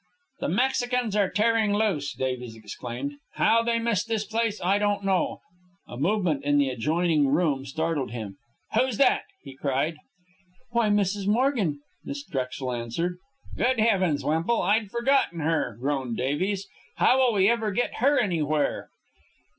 "The Mexicans are tearing loose," Davies explained. "How they missed this place I don't know." A movement in the adjoining room startled him. "Who's that?" he cried. "Why, Mrs. Morgan," Miss Drexel answered. "Good heavens, Wemple, I'd forgotten her," groaned Davies. "How will we ever get her anywhere?"